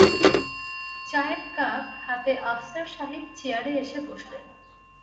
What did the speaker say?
চায়ের কাপ হাতে আফসার সাহেব চেয়ারে এসে বসলেন।